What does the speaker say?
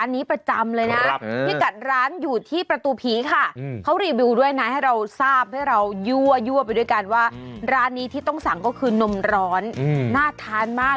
อันนี้ประจำเลยนะพี่กัดร้านอยู่ที่ประตูผีค่ะเขารีวิวด้วยนะให้เราทราบให้เรายั่วไปด้วยกันว่าร้านนี้ที่ต้องสั่งก็คือนมร้อนน่าทานมาก